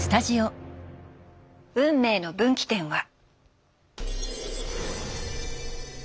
運命の分岐点は。